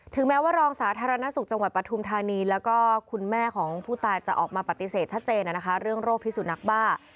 แม้ว่ารองสาธารณสุขจังหวัดปทุมธานีแล้วก็คุณแม่ของผู้ตายจะออกมาปฏิเสธชัดเจนเรื่องโรคพิสุนักบ้า